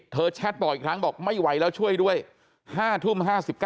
แชทบอกอีกครั้งบอกไม่ไหวแล้วช่วยด้วย๕ทุ่ม๕๙